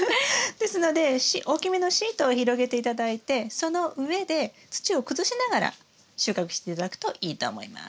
ですので大きめのシートを広げて頂いてその上で土を崩しながら収穫して頂くといいと思います。